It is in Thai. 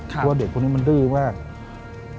เพราะว่าเด็กคนนี้มันดื้อมาก